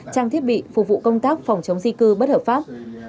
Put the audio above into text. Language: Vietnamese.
trang thiết bị phục vụ công tác phòng chống di cư bất hợp pháp